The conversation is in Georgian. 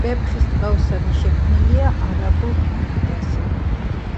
საბერძნეთის მწერლები რომელიმე ამ დიალექტზე წერდნენ.